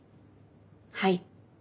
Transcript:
はい。